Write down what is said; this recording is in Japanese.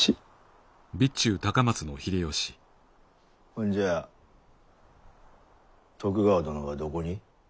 ほんじゃあ徳川殿はどこに？